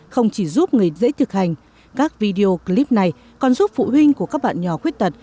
không chỉ giúp người dễ thực hành các video clip này còn giúp phụ huynh của các bạn nhỏ khuyết tật